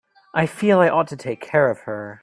I feel I ought to take care of her.